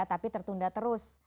tapi tertunda terus